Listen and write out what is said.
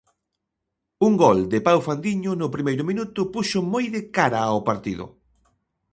Un gol de Pau Fandiño no primeiro minuto puxo moi de cara ao partido.